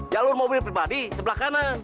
jalur mobil pribadi sebelah kanan